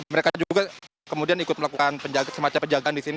mereka juga kemudian ikut melakukan semacam penjagaan di sini